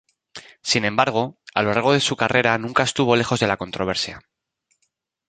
Sin embargo, a lo largo de su carrera nunca estuvo lejos de la controversia.